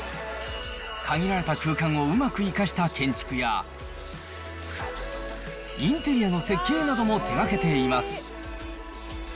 限られた空間をうまく生かした建築や、インテリアの設計なども手がけています。